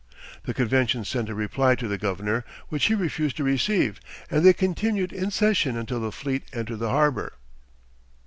The convention sent a reply to the governor, which he refused to receive, and they continued in session until the fleet entered the harbor.